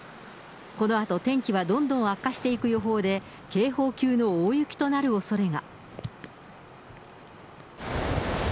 このあと、天気はどんどん悪化していく予報で、警報級の大雪となるおそれが。